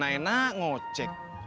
udah enak enak ngocek